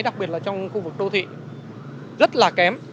đặc biệt là trong khu vực đô thị rất là kém